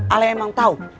ale emang tahu